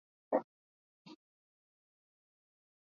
kwenye miaka ishirini na tano the